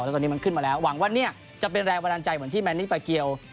แล้วตอนนี้มันขึ้นมาแล้วหวังว่าเนี่ยจะเป็นแรงบันดาลใจเหมือนที่แมนนี่ปาเกียว